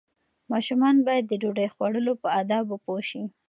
ماشومان باید د ډوډۍ خوړلو په آدابو پوه شي.